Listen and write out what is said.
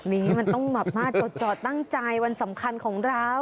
นี่มันต้องแบบมาจดตั้งใจวันสำคัญของเรา